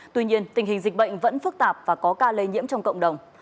tuy nhiên tình hình dịch bệnh vẫn phức tạp và có ca lây nhiễm trong cộng đồng